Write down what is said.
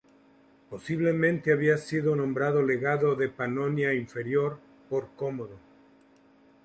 Posiblemente había sido nombrado legado de Panonia Inferior por Cómodo.